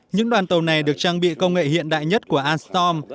những đoàn tàu này được trang bị công nghệ hiện đại nhất của alstom